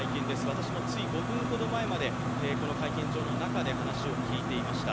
私も、つい５分ほど前まで会見場の中で話を聞いていました。